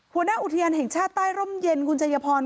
หัวหน้าอุทยานแห่งชาติใต้ร่มเย็นคุณชัยพร